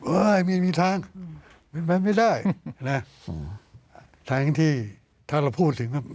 เฮ่ยมีทางไม่ได้นะทางที่ถ้าเราพูดถึง